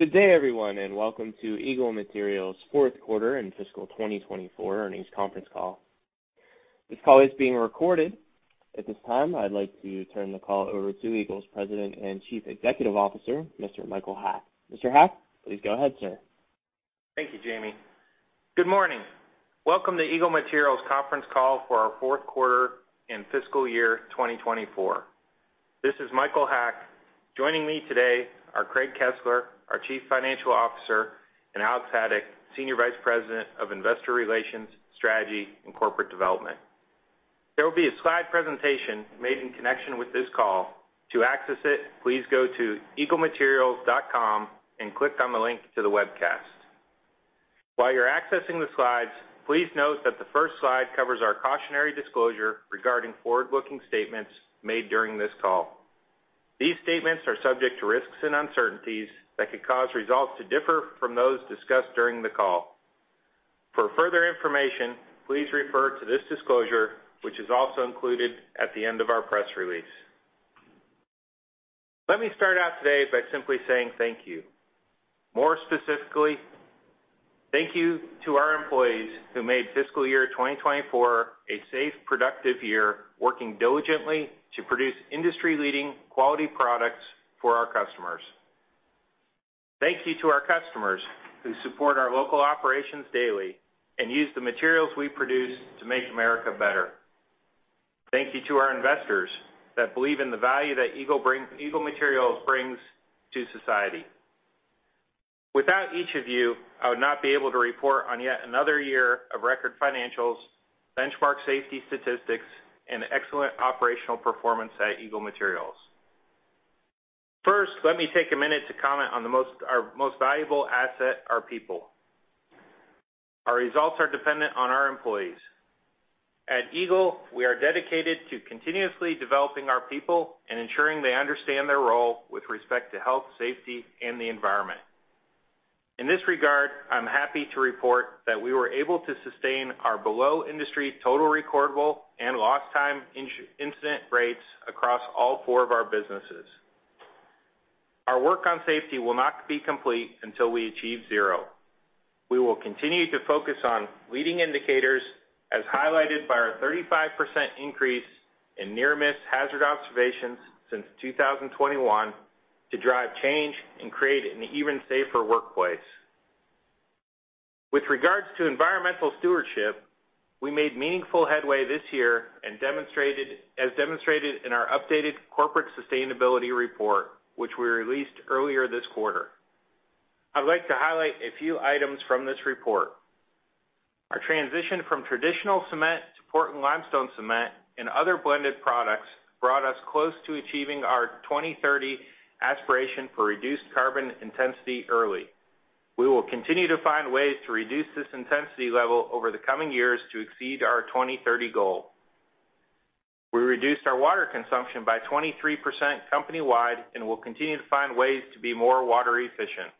Good day, everyone, and welcome to Eagle Materials' fourth quarter and fiscal 2024 earnings conference call. This call is being recorded. At this time, I'd like to turn the call over to Eagle's President and Chief Executive Officer, Mr. Michael Haack. Mr. Haack, please go ahead, sir. Thank you, Jamie. Good morning. Welcome to Eagle Materials' conference call for our fourth quarter and fiscal year 2024. This is Michael Haack. Joining me today are Craig Kesler, our Chief Financial Officer, and Alex Haddock, Senior Vice President of Investor Relations, Strategy, and Corporate Development. There will be a slide presentation made in connection with this call. To access it, please go to eaglematerials.com and click on the link to the webcast. While you're accessing the slides, please note that the first slide covers our cautionary disclosure regarding forward-looking statements made during this call. These statements are subject to risks and uncertainties that could cause results to differ from those discussed during the call. For further information, please refer to this disclosure, which is also included at the end of our press release. Let me start out today by simply saying thank you. More specifically, thank you to our employees who made fiscal year 2024 a safe, productive year, working diligently to produce industry-leading quality products for our customers. Thank you to our customers who support our local operations daily and use the materials we produce to make America better. Thank you to our investors that believe in the value that Eagle brings, Eagle Materials brings to society. Without each of you, I would not be able to report on yet another year of record financials, benchmark safety statistics, and excellent operational performance at Eagle Materials. First, let me take a minute to comment on the most, our most valuable asset, our people. Our results are dependent on our employees. At Eagle, we are dedicated to continuously developing our people and ensuring they understand their role with respect to health, safety, and the environment. In this regard, I'm happy to report that we were able to sustain our below-industry total recordable and lost time incident rates across all four of our businesses. Our work on safety will not be complete until we achieve zero. We will continue to focus on leading indicators, as highlighted by our 35% increase in near-miss hazard observations since 2021, to drive change and create an even safer workplace. With regards to environmental stewardship, we made meaningful headway this year, as demonstrated in our updated corporate sustainability report, which we released earlier this quarter. I'd like to highlight a few items from this report. Our transition from traditional cement to Portland limestone cement and other blended products brought us close to achieving our 2030 aspiration for reduced carbon intensity early. We will continue to find ways to reduce this intensity level over the coming years to exceed our 2030 goal. We reduced our water consumption by 23% company-wide and will continue to find ways to be more water efficient.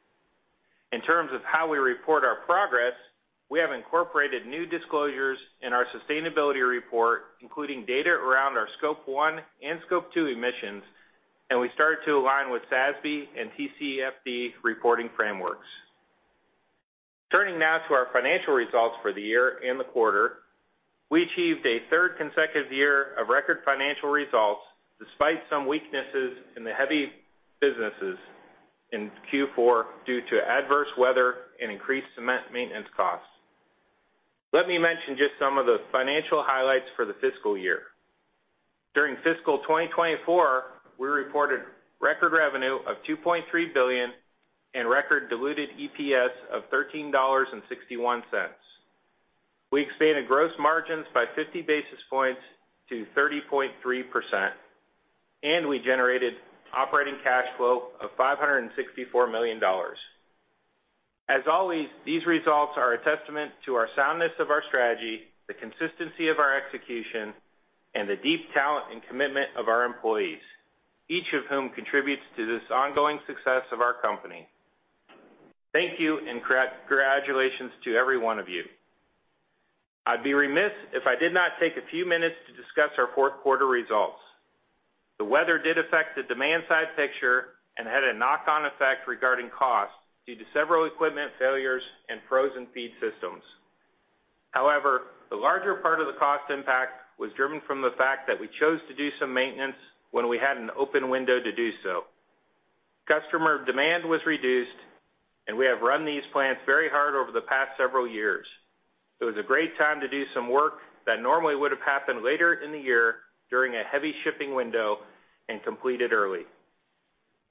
In terms of how we report our progress, we have incorporated new disclosures in our sustainability report, including data around our Scope 1 and Scope 2 emissions, and we start to align with SASB and TCFD reporting frameworks. Turning now to our financial results for the year and the quarter, we achieved a third consecutive year of record financial results, despite some weaknesses in the heavy businesses in Q4 due to adverse weather and increased cement maintenance costs. Let me mention just some of the financial highlights for the fiscal year. During fiscal 2024, we reported record revenue of $2.3 billion and record diluted EPS of $13.61. We expanded gross margins by 50 basis points to 30.3%, and we generated operating cash flow of $564 million. As always, these results are a testament to the soundness of our strategy, the consistency of our execution, and the deep talent and commitment of our employees, each of whom contributes to this ongoing success of our company. Thank you, and congratulations to everyone. I'd be remiss if I did not take a few minutes to discuss our fourth quarter results. The weather did affect the demand side picture and had a knock-on effect regarding costs due to several equipment failures and frozen feed systems. However, the larger part of the cost impact was driven from the fact that we chose to do some maintenance when we had an open window to do so. Customer demand was reduced, and we have run these plants very hard over the past several years. It was a great time to do some work that normally would have happened later in the year, during a heavy shipping window, and complete it early.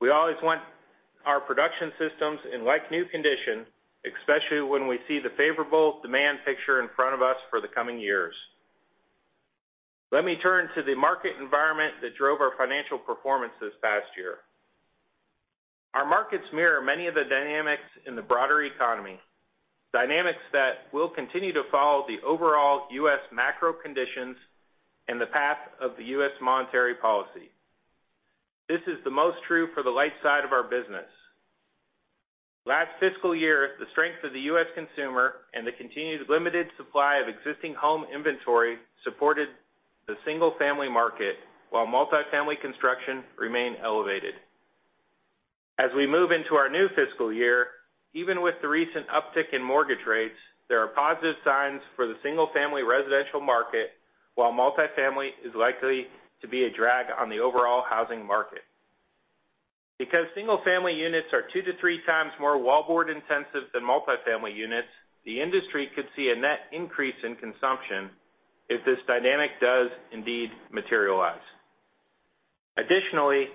We always want our production systems in like-new condition, especially when we see the favorable demand picture in front of us for the coming years. Let me turn to the market environment that drove our financial performance this past year. Our markets mirror many of the dynamics in the broader economy, dynamics that will continue to follow the overall U.S. macro conditions and the path of the U.S. monetary policy. This is the most true for the light side of our business. Last fiscal year, the strength of the U.S. consumer and the continued limited supply of existing home inventory supported the single-family market, while multifamily construction remained elevated. As we move into our new fiscal year, even with the recent uptick in mortgage rates, there are positive signs for the single-family residential market, while multifamily is likely to be a drag on the overall housing market. Because single-family units are two to three times more wallboard intensive than multifamily units, the industry could see a net increase in consumption if this dynamic does indeed materialize. Additionally,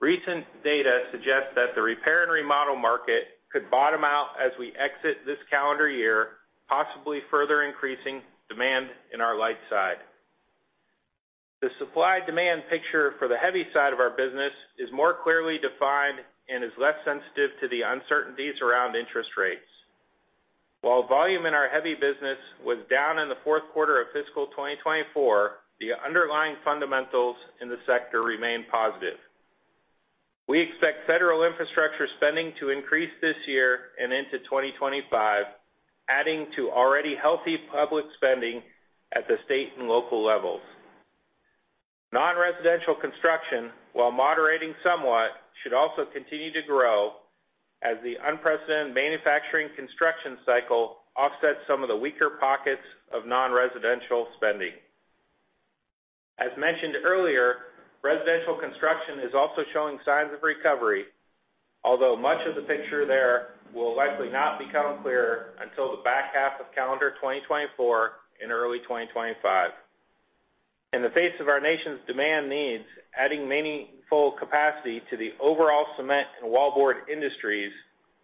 recent data suggests that the repair and remodel market could bottom out as we exit this calendar year, possibly further increasing demand in our light side. The supply-demand picture for the heavy side of our business is more clearly defined and is less sensitive to the uncertainties around interest rates. While volume in our heavy business was down in the fourth quarter of fiscal 2024, the underlying fundamentals in the sector remain positive. We expect federal infrastructure spending to increase this year and into 2025, adding to already healthy public spending at the state and local levels. Non-residential construction, while moderating somewhat, should also continue to grow as the unprecedented manufacturing construction cycle offsets some of the weaker pockets of non-residential spending. As mentioned earlier, residential construction is also showing signs of recovery, although much of the picture there will likely not become clearer until the back half of calendar 2024 and early 2025. In the face of our nation's demand needs, adding meaningful capacity to the overall cement and wallboard industries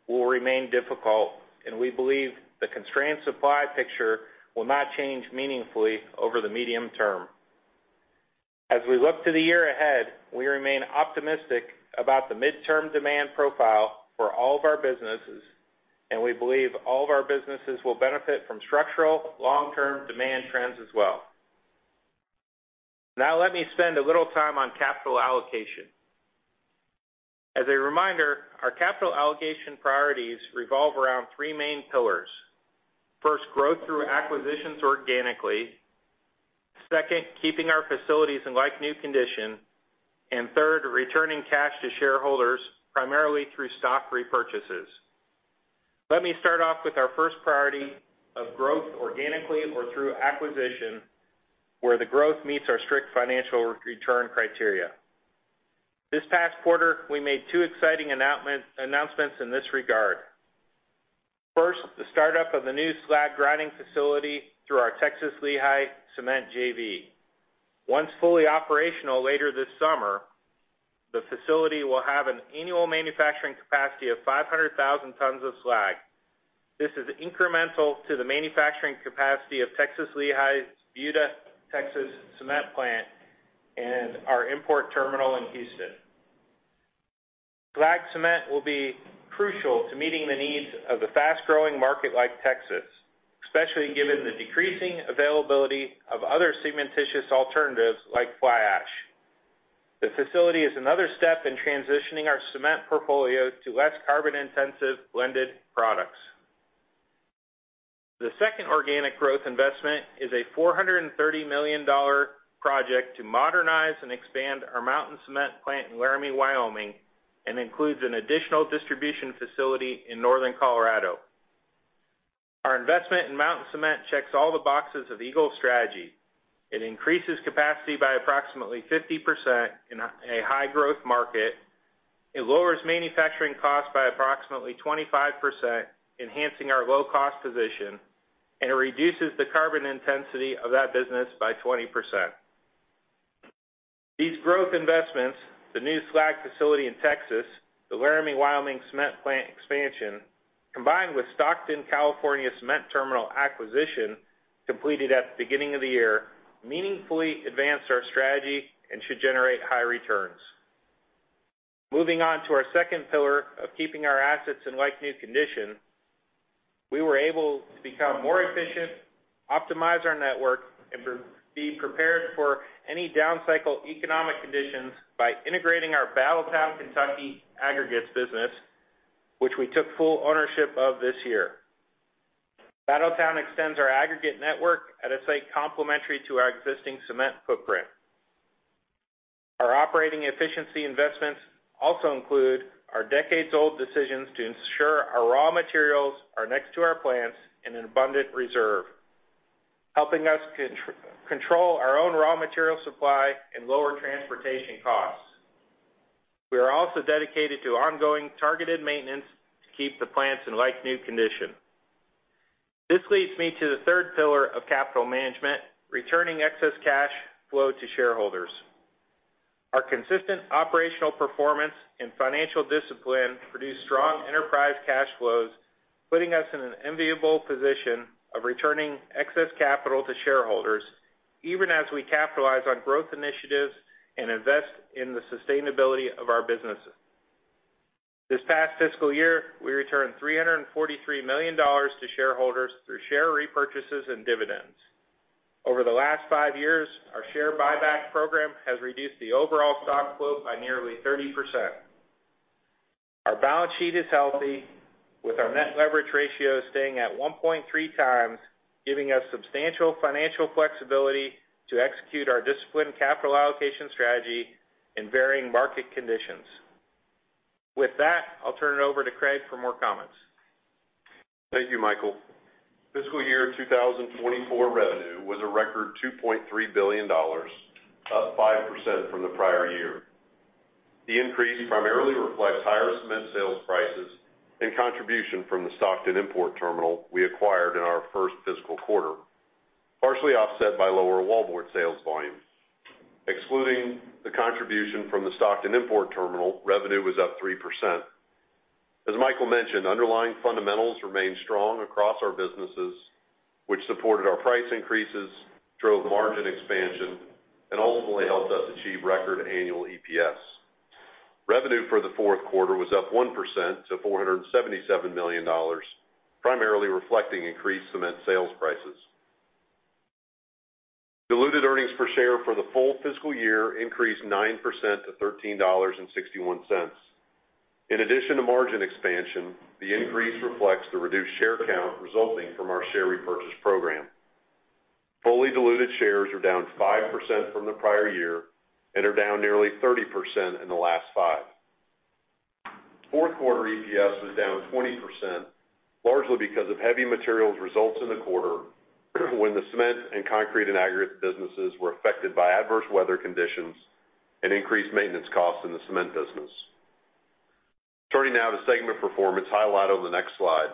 will remain difficult, and we believe the constrained supply picture will not change meaningfully over the medium term. As we look to the year ahead, we remain optimistic about the midterm demand profile for all of our businesses, and we believe all of our businesses will benefit from structural long-term demand trends as well. Now, let me spend a little time on capital allocation. As a reminder, our capital allocation priorities revolve around three main pillars. First, growth through acquisitions organically. Second, keeping our facilities in like-new condition. And third, returning cash to shareholders, primarily through stock repurchases. Let me start off with our first priority of growth organically or through acquisition, where the growth meets our strict financial return criteria. This past quarter, we made two exciting announcements in this regard. First, the startup of the new slag grinding facility through our Texas Lehigh Cement JV. Once fully operational later this summer, the facility will have an annual manufacturing capacity of 500,000 tons of slag. This is incremental to the manufacturing capacity of Texas Lehigh's Buda, Texas, cement plant and our import terminal in Houston. Slag cement will be crucial to meeting the needs of a fast-growing market like Texas, especially given the decreasing availability of other cementitious alternatives like fly ash. The facility is another step in transitioning our cement portfolio to less carbon-intensive blended products. The second organic growth investment is a $430 million project to modernize and expand our Mountain Cement plant in Laramie, Wyoming, and includes an additional distribution facility in Northern Colorado. Our investment in Mountain Cement checks all the boxes of Eagle strategy. It increases capacity by approximately 50% in a high-growth market, it lowers manufacturing costs by approximately 25%, enhancing our low-cost position, and it reduces the carbon intensity of that business by 20%. These growth investments, the new slag facility in Texas, the Laramie, Wyoming, cement plant expansion, combined with Stockton, California, cement terminal acquisition, completed at the beginning of the year, meaningfully advanced our strategy and should generate high returns. Moving on to our second pillar of keeping our assets in like-new condition, we were able to become more efficient, optimize our network, and be prepared for any downcycle economic conditions by integrating our Battletown, Kentucky, aggregates business, which we took full ownership of this year. Battletown extends our aggregate network at a site complementary to our existing cement footprint. Our operating efficiency investments also include our decades-old decisions to ensure our raw materials are next to our plants in an abundant reserve, helping us control our own raw material supply and lower transportation costs. We are also dedicated to ongoing targeted maintenance to keep the plants in like-new condition. This leads me to the third pillar of capital management, returning excess cash flow to shareholders. Our consistent operational performance and financial discipline produce strong enterprise cash flows, putting us in an enviable position of returning excess capital to shareholders, even as we capitalize on growth initiatives and invest in the sustainability of our businesses. This past fiscal year, we returned $343 million to shareholders through share repurchases and dividends. Over the last five years, our share buyback program has reduced the overall stock float by nearly 30%.... Our balance sheet is healthy, with our net leverage ratio staying at 1.3 times, giving us substantial financial flexibility to execute our disciplined capital allocation strategy in varying market conditions. With that, I'll turn it over to Craig for more comments. Thank you, Michael. Fiscal year 2024 revenue was a record $2.3 billion, up 5% from the prior year. The increase primarily reflects higher cement sales prices and contribution from the Stockton import terminal we acquired in our first fiscal quarter, partially offset by lower wallboard sales volumes. Excluding the contribution from the Stockton import terminal, revenue was up 3%. As Michael mentioned, underlying fundamentals remained strong across our businesses, which supported our price increases, drove margin expansion, and ultimately helped us achieve record annual EPS. Revenue for the fourth quarter was up 1% to $477 million, primarily reflecting increased cement sales prices. Diluted earnings per share for the full fiscal year increased 9% to $13.61. In addition to margin expansion, the increase reflects the reduced share count resulting from our share repurchase program. Fully diluted shares are down 5% from the prior year and are down nearly 30% in the last five. Fourth quarter EPS was down 20%, largely because of heavy materials results in the quarter, when the cement and concrete and aggregate businesses were affected by adverse weather conditions and increased maintenance costs in the cement business. Turning now to segment performance highlighted on the next slide.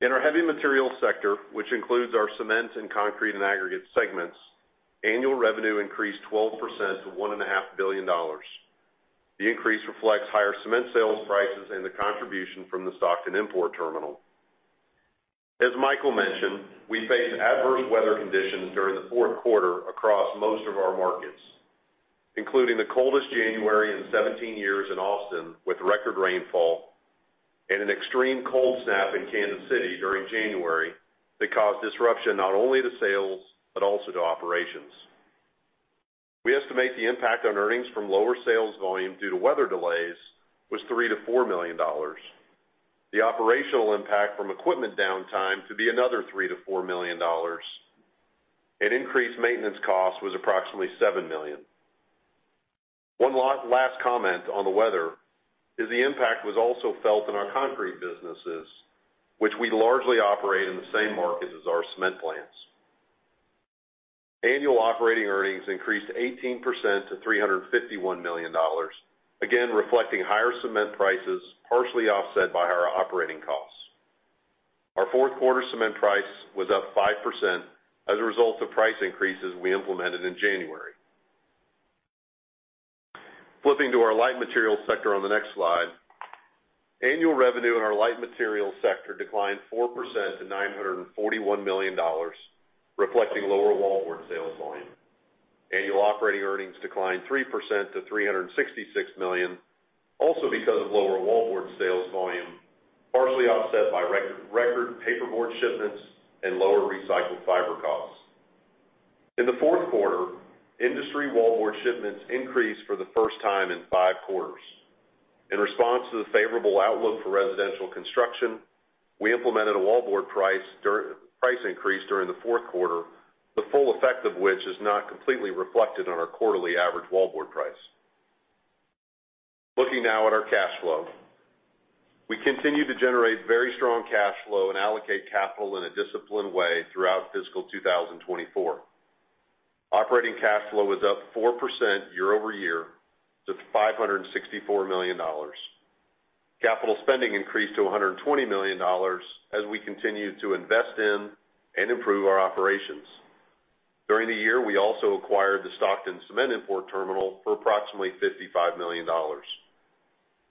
In our heavy materials sector, which includes our cement and concrete and aggregate segments, annual revenue increased 12% to $1.5 billion. The increase reflects higher cement sales prices and the contribution from the Stockton import terminal. As Michael mentioned, we faced adverse weather conditions during the fourth quarter across most of our markets, including the coldest January in 17 years in Austin, with record rainfall and an extreme cold snap in Kansas City during January that caused disruption not only to sales, but also to operations. We estimate the impact on earnings from lower sales volume due to weather delays was $3 million-$4 million. The operational impact from equipment downtime to be another $3 million-$4 million. Increased maintenance cost was approximately $7 million. One last comment on the weather, is the impact was also felt in our concrete businesses, which we largely operate in the same markets as our cement plants. Annual operating earnings increased 18% to $351 million, again, reflecting higher cement prices, partially offset by higher operating costs. Our fourth quarter cement price was up 5% as a result of price increases we implemented in January. Flipping to our light materials sector on the next slide. Annual revenue in our light materials sector declined 4% to $941 million, reflecting lower wallboard sales volume. Annual operating earnings declined 3% to $366 million, also because of lower wallboard sales volume, partially offset by record paperboard shipments and lower recycled fiber costs. In the fourth quarter, industry wallboard shipments increased for the first time in five quarters. In response to the favorable outlook for residential construction, we implemented a wallboard price increase during the fourth quarter, the full effect of which is not completely reflected on our quarterly average wallboard price. Looking now at our cash flow. We continued to generate very strong cash flow and allocate capital in a disciplined way throughout fiscal 2024. Operating cash flow was up 4% year-over-year to $564 million. Capital spending increased to $120 million as we continued to invest in and improve our operations. During the year, we also acquired the Stockton Cement Import Terminal for approximately $55 million.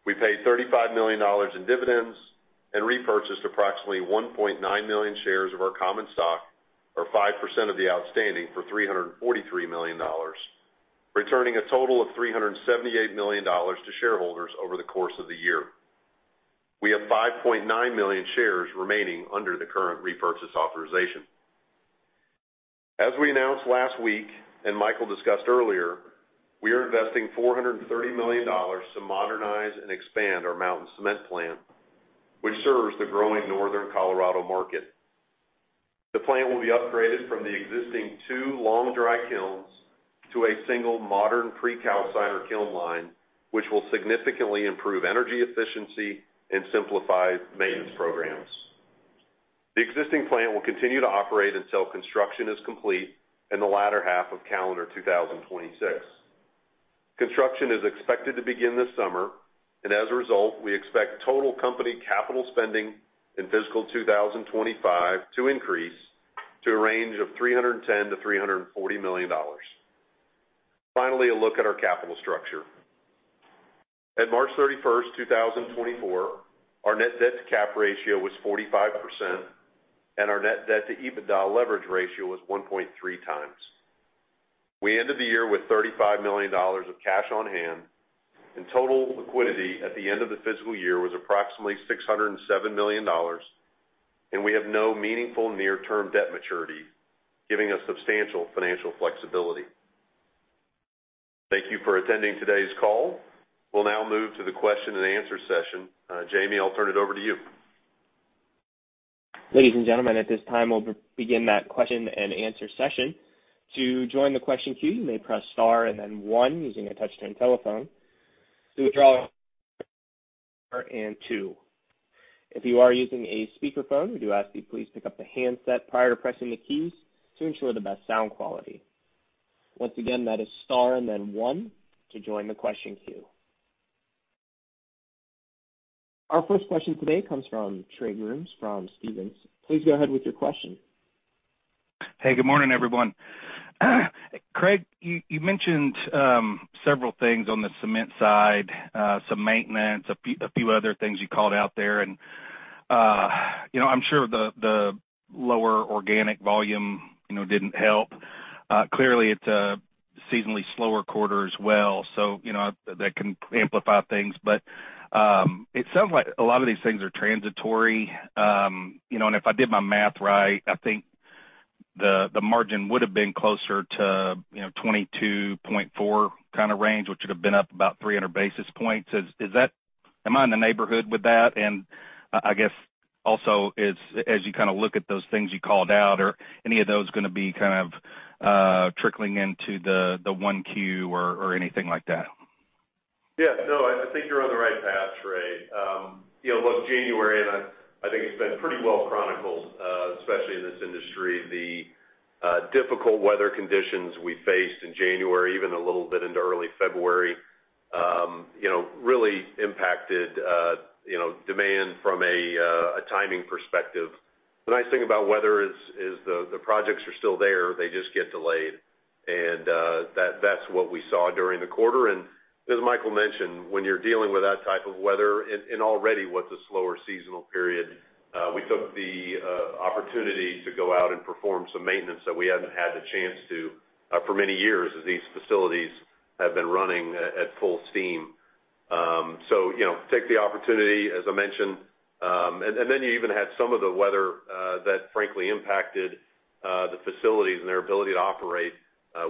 We paid $35 million in dividends and repurchased approximately 1.9 million shares of our common stock, or 5% of the outstanding, for $343 million, returning a total of $378 million to shareholders over the course of the year. We have 5.9 million shares remaining under the current repurchase authorization. As we announced last week, and Michael discussed earlier, we are investing $430 million to modernize and expand our Mountain Cement plant, which serves the growing northern Colorado market. The plant will be upgraded from the existing 2 long dry kilns to a single modern precalciner kiln line, which will significantly improve energy efficiency and simplify maintenance programs. The existing plant will continue to operate until construction is complete in the latter half of calendar 2026. Construction is expected to begin this summer, and as a result, we expect total company capital spending in fiscal 2025 to increase to a range of $310 million-$340 million. Finally, a look at our capital structure. At March 31, 2024, our net debt to cap ratio was 45%, and our net debt to EBITDA leverage ratio was 1.3 times. We ended the year with $35 million of cash on hand, and total liquidity at the end of the fiscal year was approximately $607 million, and we have no meaningful near-term term debt maturity, giving us substantial financial flexibility. Thank you for attending today's call. We'll now move to the question and answer session. Jamie, I'll turn it over to you. Ladies and gentlemen, at this time, we'll begin that question and answer session. To join the question queue, you may press star and then one using a touchtone telephone. To withdraw, and two. If you are using a speakerphone, we do ask that you please pick up the handset prior to pressing the keys to ensure the best sound quality. Once again, that is star and then one to join the question queue. Our first question today comes from Trey Grooms from Stephens. Please go ahead with your question. Hey, good morning, everyone. Craig, you mentioned several things on the cement side, some maintenance, a few other things you called out there. And you know, I'm sure the lower organic volume you know didn't help. Clearly, it's a seasonally slower quarter as well, so you know that can amplify things. But it sounds like a lot of these things are transitory. You know, and if I did my math right, I think the margin would have been closer to you know 22.4 kind of range, which would have been up about 300 basis points. Is that - am I in the neighborhood with that? I guess also, as you kind of look at those things you called out, are any of those gonna be kind of trickling into the, the 1Q or, or anything like that? Yeah, no, I think you're on the right path, Trey. You know, look, January, and I, I think it's been pretty well chronicled, especially in this industry, the difficult weather conditions we faced in January, even a little bit into early February, you know, really impacted, you know, demand from a, a timing perspective. The nice thing about weather is, the projects are still there, they just get delayed. And, that's what we saw during the quarter. And as Michael mentioned, when you're dealing with that type of weather in already what's a slower seasonal period, we took the opportunity to go out and perform some maintenance that we hadn't had the chance to, for many years, as these facilities have been running at full steam. So, you know, take the opportunity, as I mentioned. And then you even had some of the weather that frankly impacted the facilities and their ability to operate.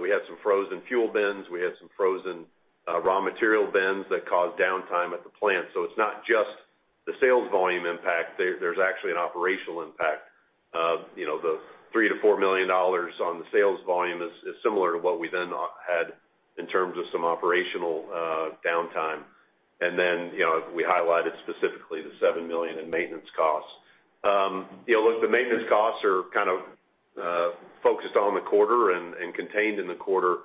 We had some frozen fuel bins. We had some frozen raw material bins that caused downtime at the plant. So it's not just the sales volume impact. There, there's actually an operational impact. You know, the $3 million-$4 million on the sales volume is similar to what we then had in terms of some operational downtime. And then, you know, we highlighted specifically the $7 million in maintenance costs. You know, look, the maintenance costs are kind of focused on the quarter and contained in the quarter.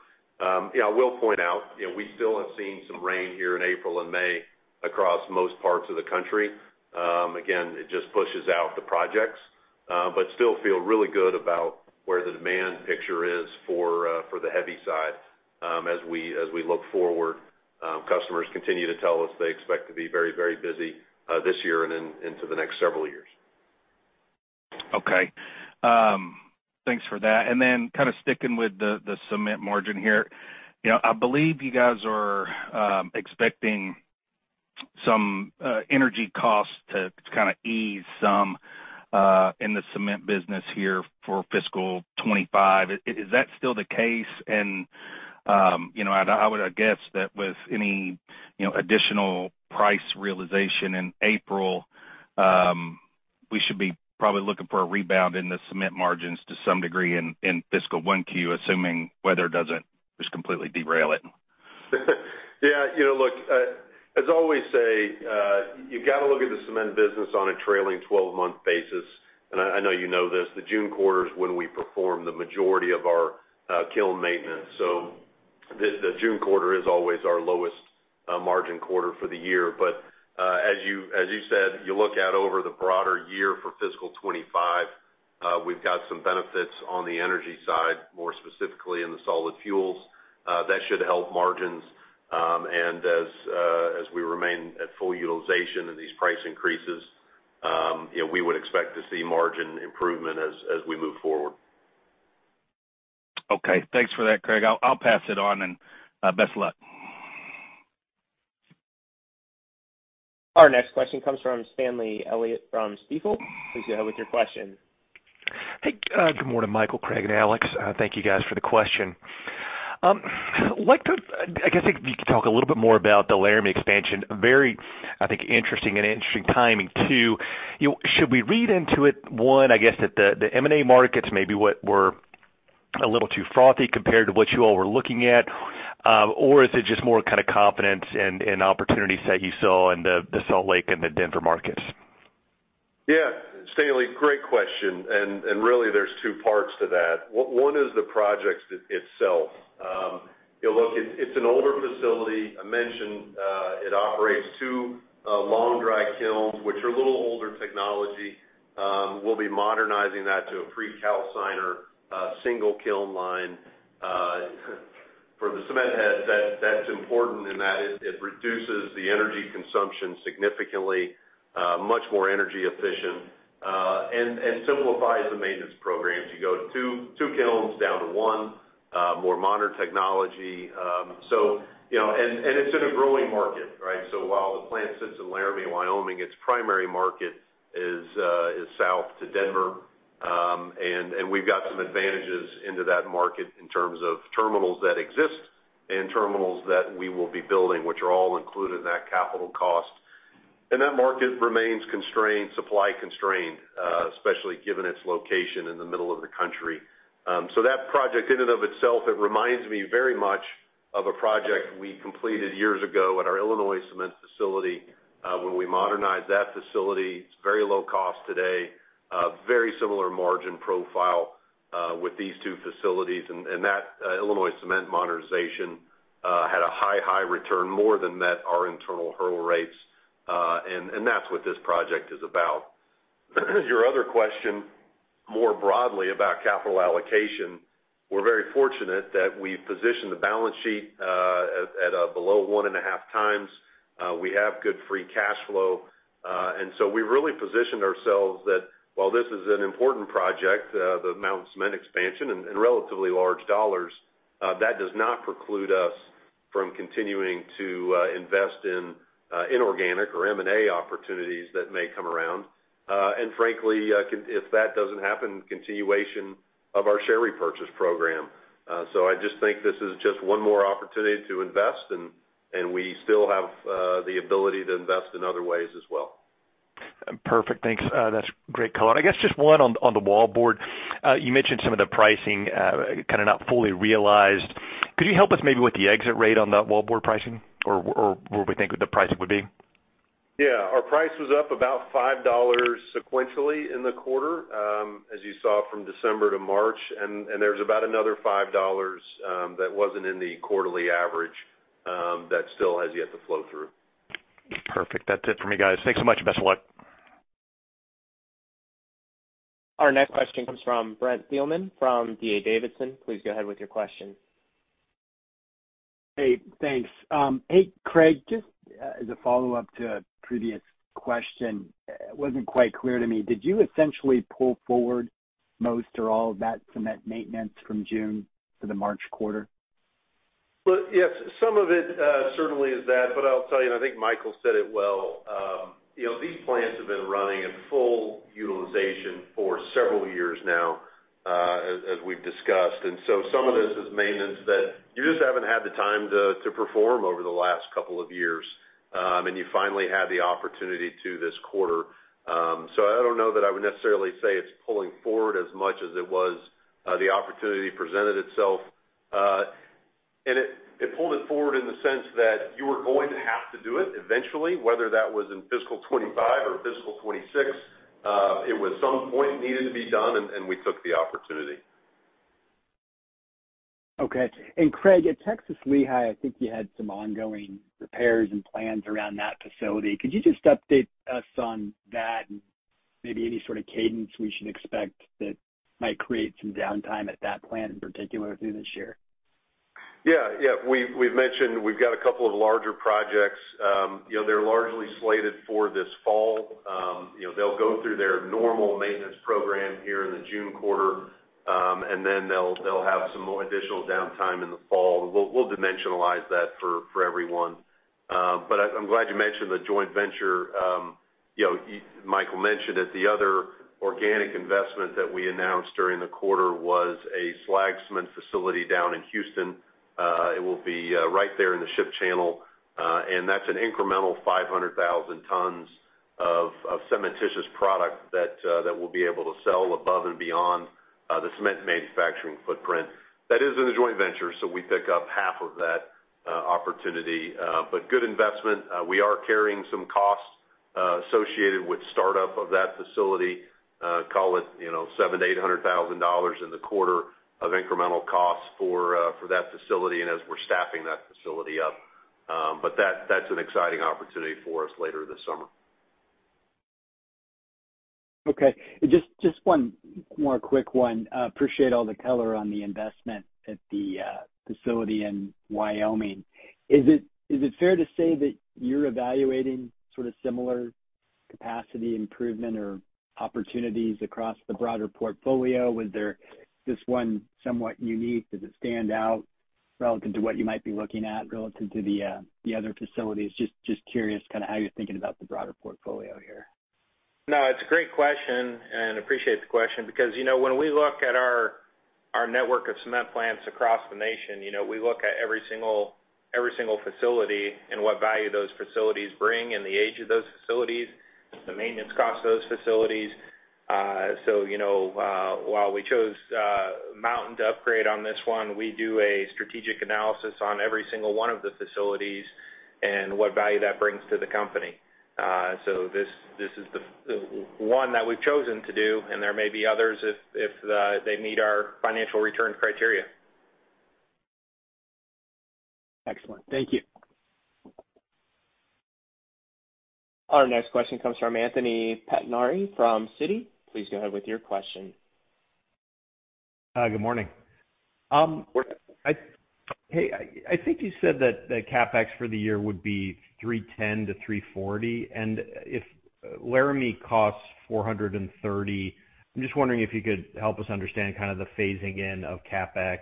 Yeah, I will point out, you know, we still have seen some rain here in April and May across most parts of the country. Again, it just pushes out the projects, but still feel really good about where the demand picture is for, for the heavy side. As we, as we look forward, customers continue to tell us they expect to be very, very busy, this year and then into the next several years. Okay. Thanks for that. And then kind of sticking with the cement margin here. You know, I believe you guys are expecting some energy costs to kind of ease some in the cement business here for fiscal 2025. Is that still the case? And, you know, I would, I guess that with any, you know, additional price realization in April, we should be probably looking for a rebound in the cement margins to some degree in fiscal 1Q, assuming weather doesn't just completely derail it. Yeah, you know, look, as I always say, you got to look at the cement business on a trailing 12-month basis. And I know you know this, the June quarter is when we perform the majority of our kiln maintenance. So the June quarter is always our lowest margin quarter for the year. But as you said, you look out over the broader year for fiscal 2025, we've got some benefits on the energy side, more specifically in the solid fuels that should help margins. And as we remain at full utilization of these price increases, you know, we would expect to see margin improvement as we move forward. Okay, thanks for that, Craig. I'll pass it on, and best of luck. Our next question comes from Stanley Elliott from Stifel. Please go ahead with your question. Hey, good morning, Michael, Craig, and Alex. Thank you guys for the question. I guess if you could talk a little bit more about the Laramie expansion. Very, I think, interesting and interesting timing, too. Should we read into it, one, I guess, that the M&A markets may be what were a little too frothy compared to what you all were looking at? Or is it just more kind of confidence and opportunities that you saw in the Salt Lake and the Denver markets? Yeah, Stanley, great question, and really, there's two parts to that. One is the project itself. You know, look, it's an older facility. I mentioned it operates two long dry kilns, which are a little older technology. We'll be modernizing that to a precalciner single kiln line. For the cement heads, that's important in that it reduces the energy consumption significantly, much more energy efficient, and simplifies the maintenance programs. You go two kilns down to one, more modern technology. So, you know, it's in a growing market, right? So while the plant sits in Laramie, Wyoming, its primary market is south to Denver... And we've got some advantages into that market in terms of terminals that exist and terminals that we will be building, which are all included in that capital cost. And that market remains constrained, supply constrained, especially given its location in the middle of the country. So that project in and of itself, it reminds me very much of a project we completed years ago at our Illinois Cement facility, where we modernized that facility. It's very low cost today, very similar margin profile, with these two facilities. And that Illinois Cement modernization had a high, high return, more than met our internal hurdle rates, and that's what this project is about. Your other question, more broadly, about capital allocation, we're very fortunate that we've positioned the balance sheet at below 1.5 times. We have good free cash flow. And so we've really positioned ourselves that while this is an important project, the Mountain Cement expansion and relatively large dollars, that does not preclude us from continuing to invest in inorganic or M&A opportunities that may come around. And frankly, if that doesn't happen, continuation of our share repurchase program. So I just think this is just one more opportunity to invest, and we still have the ability to invest in other ways as well. Perfect. Thanks. That's great color. I guess, just one on, on the wallboard. You mentioned some of the pricing, kind of not fully realized. Could you help us maybe with the exit rate on that wallboard pricing or, or what we think the price would be? Yeah. Our price was up about $5 sequentially in the quarter, as you saw from December to March, and there's about another $5 that wasn't in the quarterly average that still has yet to flow through. Perfect. That's it for me, guys. Thanks so much, and best of luck. Our next question comes from Brent Thielman from D.A. Davidson. Please go ahead with your question. Hey, thanks. Hey, Craig, just, as a follow-up to a previous question, it wasn't quite clear to me. Did you essentially pull forward most or all of that cement maintenance from June to the March quarter? Well, yes, some of it, certainly is that. But I'll tell you, I think Michael said it well, you know, these plants have been running at full utilization for several years now, as we've discussed. And so some of this is maintenance that you just haven't had the time to perform over the last couple of years, and you finally had the opportunity to this quarter. So I don't know that I would necessarily say it's pulling forward as much as it was, the opportunity presented itself. And it pulled it forward in the sense that you were going to have to do it eventually, whether that was in fiscal 2025 or fiscal 2026. It was some point needed to be done, and we took the opportunity. Okay. And Craig, at Texas Lehigh, I think you had some ongoing repairs and plans around that facility. Could you just update us on that and maybe any sort of cadence we should expect that might create some downtime at that plant, in particular, through this year? Yeah, yeah. We've mentioned we've got a couple of larger projects. You know, they're largely slated for this fall. You know, they'll go through their normal maintenance program here in the June quarter, and then they'll have some more additional downtime in the fall. We'll dimensionalize that for everyone. But I'm glad you mentioned the joint venture. You know, Michael mentioned that the other organic investment that we announced during the quarter was a slag cement facility down in Houston. It will be right there in the ship channel, and that's an incremental 500,000 tons of cementitious product that we'll be able to sell above and beyond the cement manufacturing footprint. That is in a joint venture, so we pick up half of that opportunity. But good investment. We are carrying some costs associated with startup of that facility, call it, you know, $700,000-$800,000 in the quarter of incremental costs for that facility and as we're staffing that facility up. But that, that's an exciting opportunity for us later this summer. Okay. Just one more quick one. Appreciate all the color on the investment at the facility in Wyoming. Is it fair to say that you're evaluating sort of similar capacity improvement or opportunities across the broader portfolio? Was there this one somewhat unique? Does it stand out relative to what you might be looking at relative to the other facilities? Just curious kind of how you're thinking about the broader portfolio here. No, it's a great question, and appreciate the question because, you know, when we look at our network of cement plants across the nation, you know, we look at every single facility and what value those facilities bring and the age of those facilities, the maintenance cost of those facilities. So, you know, while we chose Mountain to upgrade on this one, we do a strategic analysis on every single one of the facilities and what value that brings to the company. So this is the one that we've chosen to do, and there may be others if they meet our financial return criteria. Excellent. Thank you. Our next question comes from Anthony Pettinari from Citi. Please go ahead with your question. Good morning. I think you said that the CapEx for the year would be $310-$340, and if Laramie costs $430, I'm just wondering if you could help us understand kind of the phasing in of CapEx?...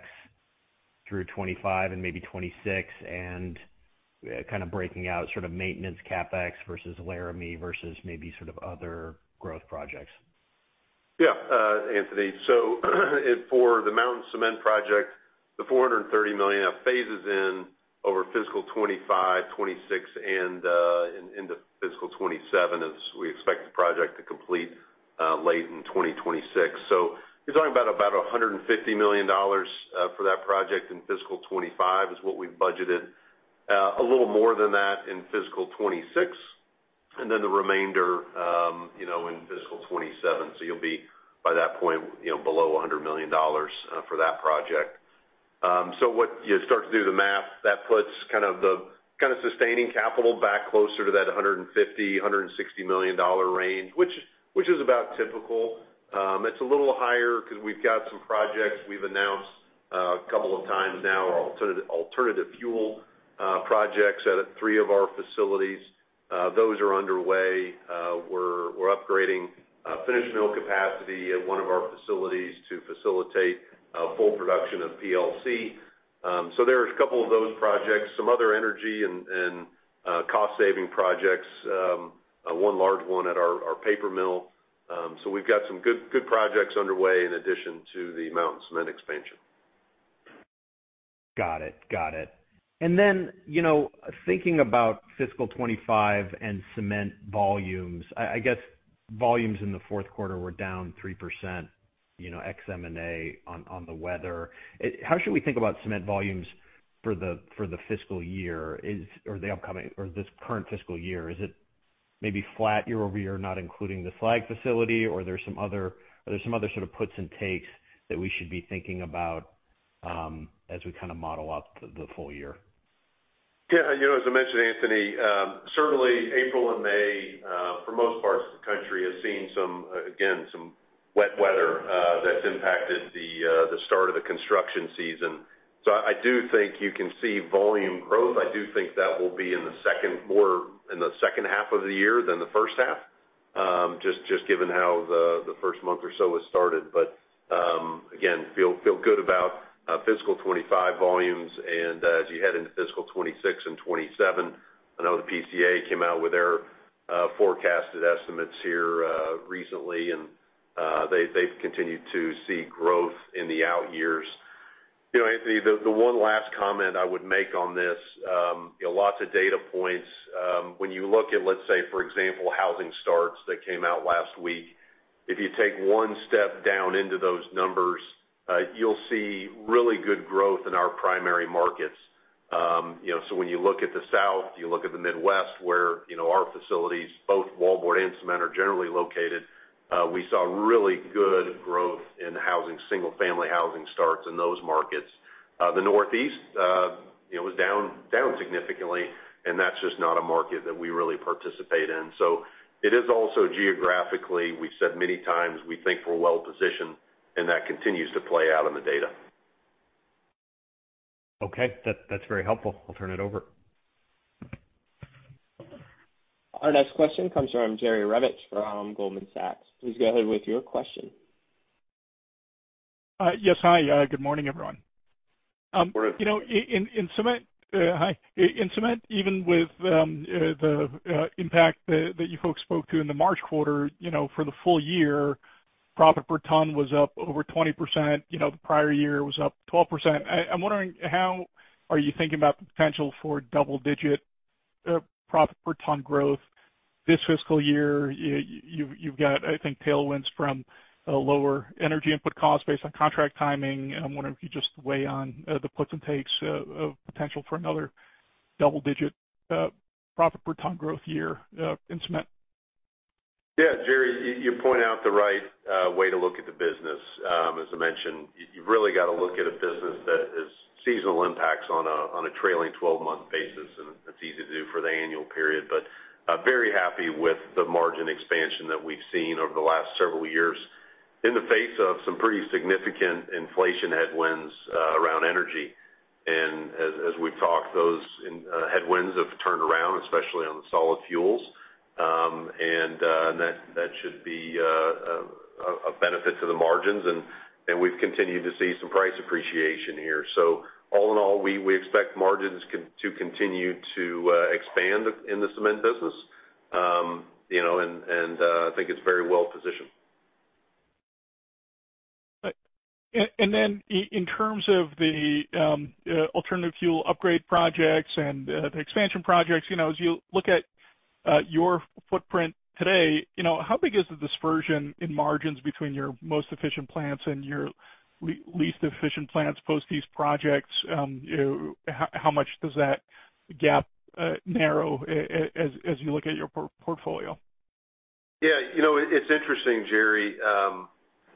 through 2025 and maybe 2026, and kind of breaking out sort of maintenance CapEx versus Laramie versus maybe sort of other growth projects. Yeah, Anthony. So for the Mountain Cement project, the $430 million phases in over fiscal 2025, 2026, and into fiscal 2027, as we expect the project to complete late in 2026. So you're talking about $150 million for that project in fiscal 2025, is what we've budgeted. A little more than that in fiscal 2026, and then the remainder, you know, in fiscal 2027. So you'll be, by that point, you know, below $100 million for that project. So you start to do the math, that puts kind of sustaining capital back closer to that $150-$160 million range, which is about typical. It's a little higher because we've got some projects. We've announced a couple of times now, alternative fuel projects out at three of our facilities. Those are underway. We're upgrading finish mill capacity at one of our facilities to facilitate full production of PLC. So there's a couple of those projects, some other energy and cost saving projects, one large one at our paper mill. So we've got some good projects underway in addition to the Mountain Cement expansion. Got it. Got it. And then, you know, thinking about fiscal 2025 and cement volumes, I guess volumes in the fourth quarter were down 3%, you know, ex M&A, on the weather. How should we think about cement volumes for the fiscal year? Or the upcoming, or this current fiscal year, is it maybe flat year-over-year, not including the slag facility, or are there some other sort of puts and takes that we should be thinking about, as we kind of model out the full year? Yeah. You know, as I mentioned, Anthony, certainly April and May, for most parts of the country, has seen some, again, some wet weather, that's impacted the, the start of the construction season. So I, I do think you can see volume growth. I do think that will be in the second, more in the second half of the year than the first half, just, just given how the, the first month or so has started. But, again, feel, feel good about, fiscal 2025 volumes, and, as you head into fiscal 2026 and 2027, I know the PCA came out with their, forecasted estimates here, recently, and, they've, they've continued to see growth in the out years. You know, Anthony, the, the one last comment I would make on this, you know, lots of data points. When you look at, let's say, for example, housing starts that came out last week, if you take one step down into those numbers, you'll see really good growth in our primary markets. You know, so when you look at the South, you look at the Midwest, where, you know, our facilities, both wallboard and cement, are generally located, we saw really good growth in housing, single-family housing starts in those markets. The Northeast, it was down, down significantly, and that's just not a market that we really participate in. So it is also geographically, we've said many times, we think we're well positioned, and that continues to play out in the data. Okay. That, that's very helpful. I'll turn it over. Our next question comes from Jerry Revich from Goldman Sachs. Please go ahead with your question. Yes. Hi, good morning, everyone. You know, in cement, even with the impact that you folks spoke to in the March quarter, you know, for the full year, profit per ton was up over 20%. You know, the prior year was up 12%. I'm wondering, how are you thinking about the potential for double-digit profit per ton growth this fiscal year? You've got, I think, tailwinds from lower energy input costs based on contract timing. I'm wondering if you just weigh on the puts and takes of potential for another double-digit profit per ton growth year in cement. Yeah, Jerry, you point out the right way to look at the business. As I mentioned, you really got to look at a business that is seasonal impacts on a trailing twelve-month basis, and it's easy to do for the annual period. But very happy with the margin expansion that we've seen over the last several years in the face of some pretty significant inflation headwinds around energy. And as we've talked, those headwinds have turned around, especially on the solid fuels. And that should be a benefit to the margins, and we've continued to see some price appreciation here. So all in all, we expect margins to continue to expand in the cement business. You know, and I think it's very well positioned. In terms of the alternative fuel upgrade projects and the expansion projects, you know, as you look at your footprint today, you know, how big is the dispersion in margins between your most efficient plants and your least efficient plants post these projects? You know, how much does that gap narrow as you look at your portfolio? Yeah, you know, it's interesting, Jerry.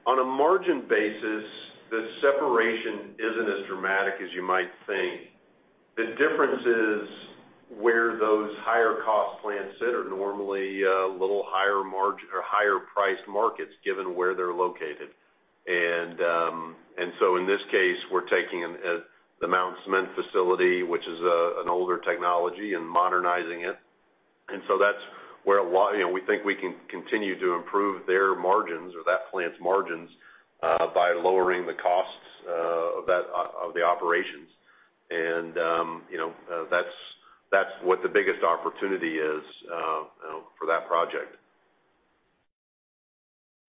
On a margin basis, the separation isn't as dramatic as you might think. The difference is where those higher cost plants sit are normally a little higher margin or higher priced markets, given where they're located. And, and so in this case, we're taking the Mountain Cement facility, which is an older technology, and modernizing it. And so that's where a lot, you know, we think we can continue to improve their margins or that plant's margins by lowering the costs of that, of the operations. And, you know, that's, that's what the biggest opportunity is for that project.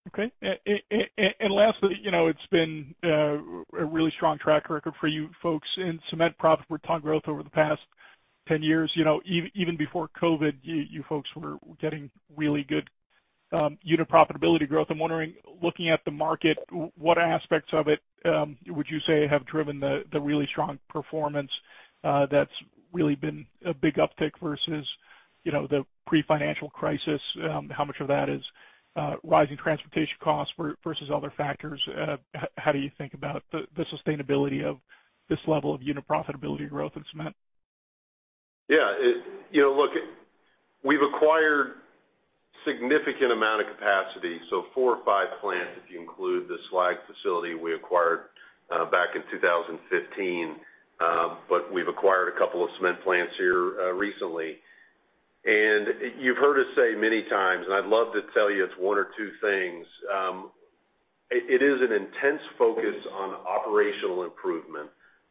Okay. And lastly, you know, it's been a really strong track record for you folks in cement profit. We're talking growth over the past 10 years. You know, even before COVID, you folks were getting really good unit profitability growth. I'm wondering, looking at the market, what aspects of it would you say have driven the really strong performance that's really been a big uptick versus, you know, the pre-financial crisis? How much of that is rising transportation costs versus other factors? How do you think about the sustainability of this level of unit profitability growth in cement? Yeah, you know, look, we've acquired significant amount of capacity, so four or five plants, if you include the slag facility we acquired back in 2015. But we've acquired a couple of cement plants here recently. And you've heard us say many times, and I'd love to tell you it's one or two things. It is an intense focus on operational improvement,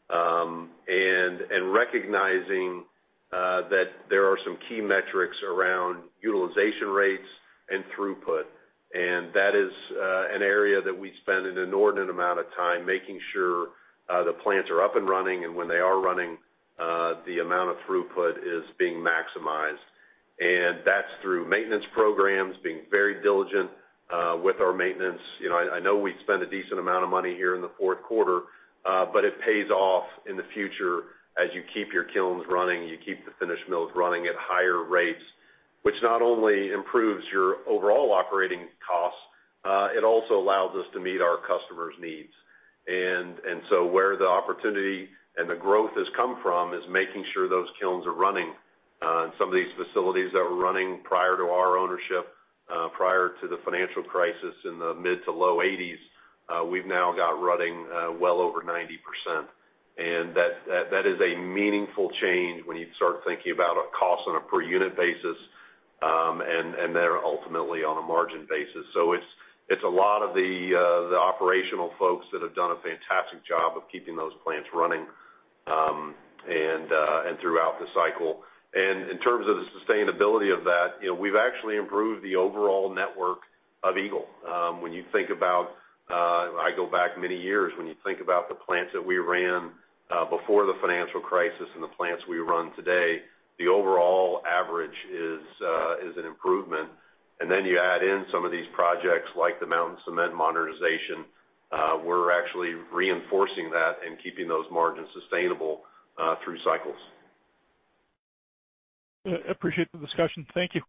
and recognizing that there are some key metrics around utilization rates and throughput. And that is an area that we spend an inordinate amount of time making sure the plants are up and running, and when they are running, the amount of throughput is being maximized. And that's through maintenance programs, being very diligent with our maintenance. You know, I know we spend a decent amount of money here in the fourth quarter, but it pays off in the future as you keep your kilns running, you keep the finish mills running at higher rates, which not only improves your overall operating costs, it also allows us to meet our customers' needs. So where the opportunity and the growth has come from is making sure those kilns are running. And some of these facilities that were running prior to our ownership, prior to the financial crisis in the mid- to low 80s, we've now got running, well over 90%. And that is a meaningful change when you start thinking about a cost on a per unit basis, and then ultimately on a margin basis. So it's a lot of the operational folks that have done a fantastic job of keeping those plants running, and throughout the cycle. And in terms of the sustainability of that, you know, we've actually improved the overall network of Eagle. When you think about, I go back many years, when you think about the plants that we ran before the financial crisis and the plants we run today, the overall average is an improvement. And then you add in some of these projects, like the Mountain Cement modernization, we're actually reinforcing that and keeping those margins sustainable through cycles. Appreciate the discussion. Thank you.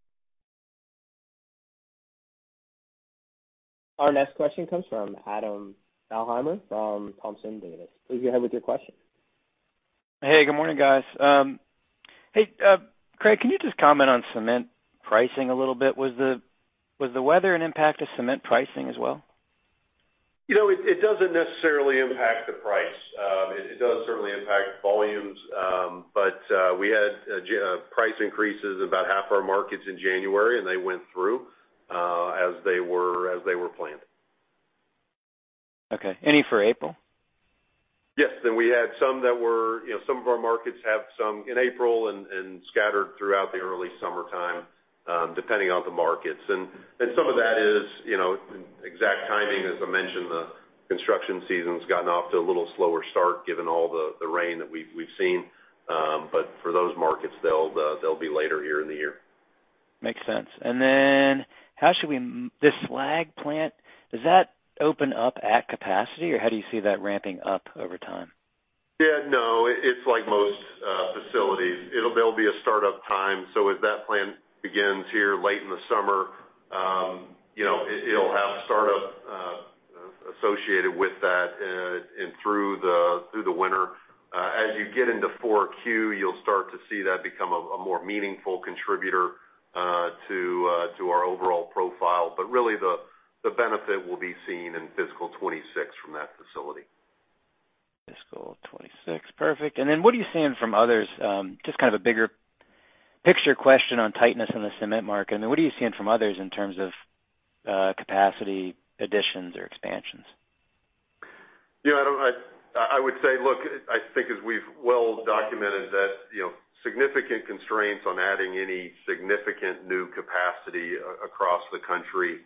Our next question comes from Adam Thalhimer from Thompson Davis. Please go ahead with your question. Hey, good morning, guys. Hey, Craig, can you just comment on cement pricing a little bit? Was the weather an impact to cement pricing as well? You know, it doesn't necessarily impact the price. It does certainly impact volumes, but we had price increases in about half our markets in January, and they went through as they were planned. Okay. Any for April? Yes, then we had some that were, you know, some of our markets have some in April and scattered throughout the early summertime, depending on the markets. And some of that is, you know, exact timing. As I mentioned, the construction season's gotten off to a little slower start, given all the rain that we've seen. But for those markets, they'll be later here in the year. Makes sense. And then how should we... This slag plant, does that open up at capacity, or how do you see that ramping up over time? Yeah, no, it's like most facilities. There'll be a start-up time. So as that plant begins here late in the summer, you know, it'll have start-up associated with that and through the winter. As you get into 4Q, you'll start to see that become a more meaningful contributor to our overall profile. But really, the benefit will be seen in fiscal 2026 from that facility. Fiscal 26. Perfect. Then, what are you seeing from others, just kind of a bigger picture question on tightness in the cement market? And what are you seeing from others in terms of capacity, additions, or expansions? You know, Adam, I would say, look, I think as we've well documented, that, you know, significant constraints on adding any significant new capacity across the country.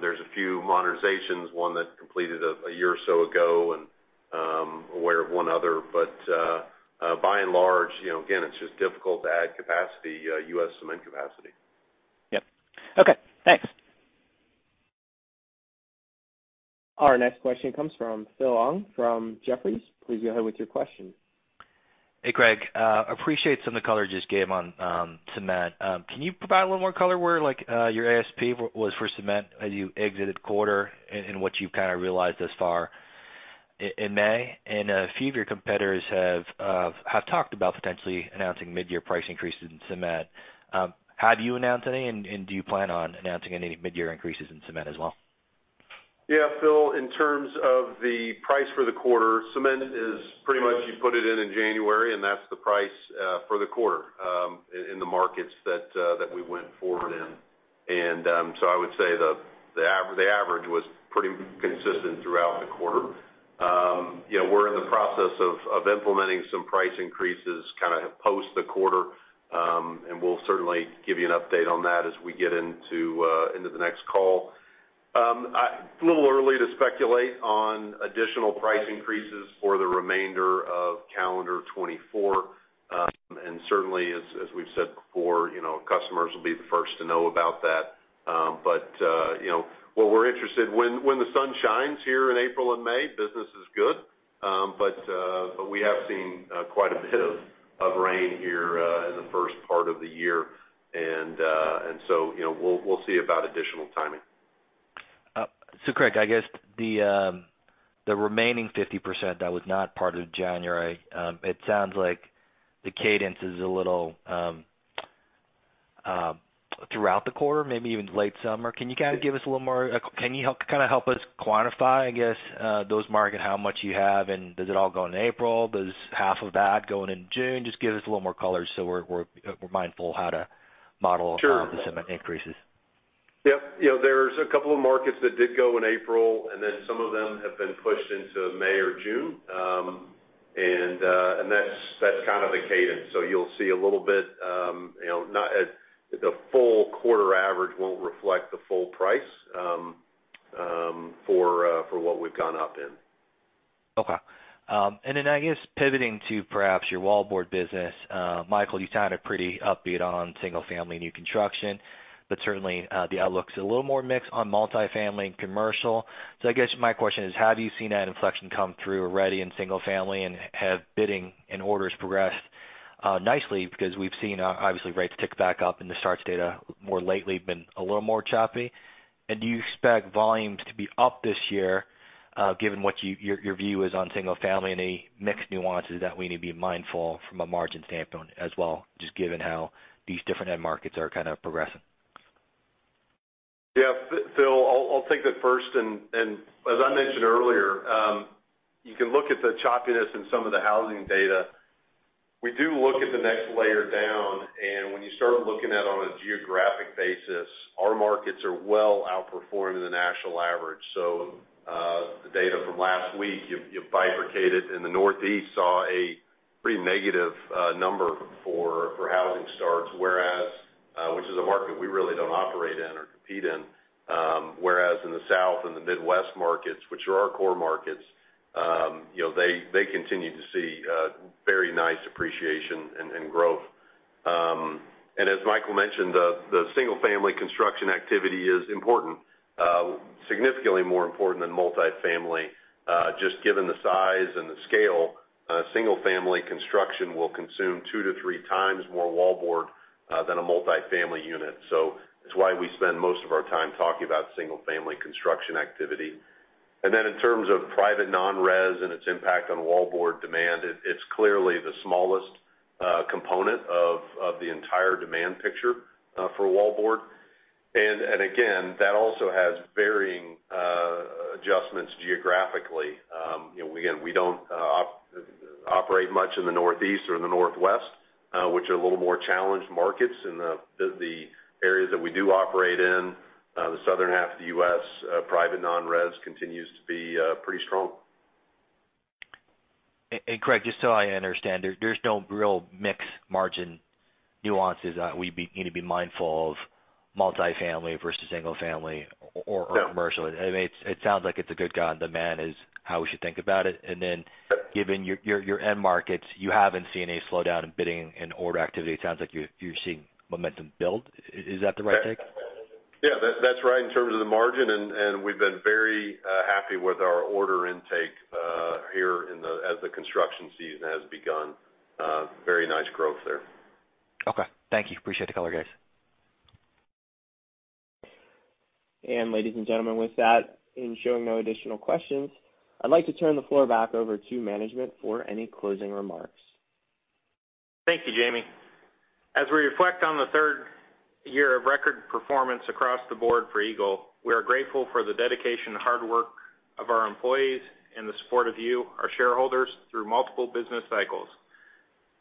There's a few modernizations, one that completed a year or so ago, and aware of one other. But by and large, you know, again, it's just difficult to add capacity, U.S. cement capacity. Yep. Okay, thanks. Our next question comes from Philip Ng, from Jefferies. Please go ahead with your question. Hey, Craig, appreciate some of the color you just gave on cement. Can you provide a little more color where, like, your ASP was for cement as you exited quarter and what you've kind of realized thus far in May? And a few of your competitors have talked about potentially announcing midyear price increases in cement. Have you announced any, and do you plan on announcing any midyear increases in cement as well?... Yeah, Phil, in terms of the price for the quarter, cement is pretty much you put it in January, and that's the price for the quarter in the markets that we went forward in. And so I would say the average was pretty consistent throughout the quarter. You know, we're in the process of implementing some price increases kind of post the quarter, and we'll certainly give you an update on that as we get into the next call. It's a little early to speculate on additional price increases for the remainder of calendar 2024. And certainly, as we've said before, you know, customers will be the first to know about that. But, you know, what we're interested, when the sun shines here in April and May, business is good. But we have seen quite a bit of rain here in the first part of the year, and so, you know, we'll see about additional timing. So, Craig, I guess the remaining 50% that was not part of January, it sounds like the cadence is a little throughout the quarter, maybe even late summer. Can you kind of give us a little more, can you help, kind of help us quantify, I guess, those market, how much you have, and does it all go in April? Does half of that go in June? Just give us a little more color so we're mindful how to model- Sure. the cement increases. Yep. You know, there's a couple of markets that did go in April, and then some of them have been pushed into May or June. And that's kind of the cadence. So you'll see a little bit, you know, not at -- the full quarter average won't reflect the full price for what we've gone up in. Okay. And then, I guess, pivoting to perhaps your wallboard business, Michael, you sounded pretty upbeat on single-family new construction, but certainly, the outlook's a little more mixed on multifamily and commercial. So I guess my question is: Have you seen that inflection come through already in single-family, and have bidding and orders progressed nicely? Because we've seen, obviously, rates tick back up, and the starts data more lately been a little more choppy. And do you expect volumes to be up this year, given what your view is on single-family, any mixed nuances that we need to be mindful of from a margin standpoint as well, just given how these different end markets are kind of progressing? Yeah. Phil, I'll take that first. And as I mentioned earlier, you can look at the choppiness in some of the housing data. We do look at the next layer down, and when you start looking at on a geographic basis, our markets are well outperforming the national average. So, the data from last week, you bifurcated in the Northeast, saw a pretty negative number for housing starts, whereas, which is a market we really don't operate in or compete in. Whereas in the South and the Midwest markets, which are our core markets, you know, they continue to see very nice appreciation and growth. And as Michael mentioned, the single-family construction activity is important, significantly more important than multifamily. Just given the size and the scale, single-family construction will consume 2-3 times more wallboard than a multifamily unit. So that's why we spend most of our time talking about single-family construction activity. And then in terms of private non-res and its impact on wallboard demand, it, it's clearly the smallest component of the entire demand picture for wallboard. And again, that also has varying adjustments geographically. You know, again, we don't operate much in the Northeast or in the Northwest, which are a little more challenged markets. In the areas that we do operate in, the southern half of the U.S., private non-res continues to be pretty strong. And, Craig, just so I understand, there's no real mix margin nuances that we need to be mindful of multifamily versus single-family or, or- No... commercial? I mean, it, it sounds like it's a good guide, demand is how we should think about it. Yep. And then, given your end markets, you haven't seen any slowdown in bidding and order activity. It sounds like you're seeing momentum build. Is that the right take? Yeah, that's right in terms of the margin, and we've been very happy with our order intake here as the construction season has begun. Very nice growth there. Okay. Thank you. Appreciate the color, guys. Ladies and gentlemen, with that, in showing no additional questions, I'd like to turn the floor back over to management for any closing remarks. Thank you, Jamie. As we reflect on the third year of record performance across the board for Eagle, we are grateful for the dedication and hard work of our employees and the support of you, our shareholders, through multiple business cycles.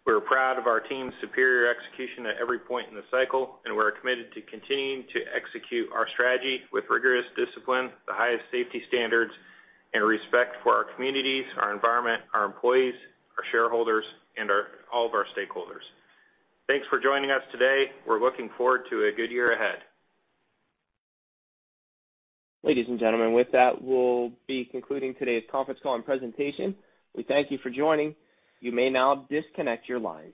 We're proud of our team's superior execution at every point in the cycle, and we're committed to continuing to execute our strategy with rigorous discipline, the highest safety standards, and respect for our communities, our environment, our employees, our shareholders, and all of our stakeholders. Thanks for joining us today. We're looking forward to a good year ahead. Ladies and gentlemen, with that, we'll be concluding today's conference call and presentation. We thank you for joining. You may now disconnect your line.